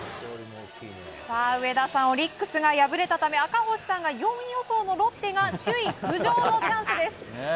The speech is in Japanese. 上田さん、オリックスが敗れたため、赤星さんが４位予想のロッテが首位浮上のチャンスです。